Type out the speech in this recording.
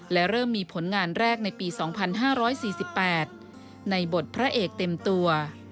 และเริ่มมีผลงานแรกในปีสองพันห้าร้อยสี่สิบแปดในบทพระเอกเต็มตัว